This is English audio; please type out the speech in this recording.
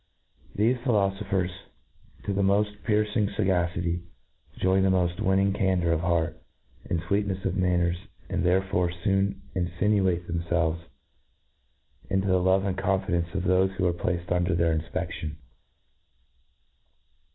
Thefe philofophers, to the mofl: piercing fagacity, join the moil winning candour of heart, and fweetncfs of manners, and there by foon infinuate thcmfelves into the love and confidence of thofe who are placed under their infpedion.